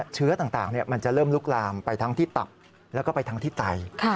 เชื้อต่างมันจะเริ่มลุกลามไปทั้งที่ตับแล้วก็ไปทั้งที่ไต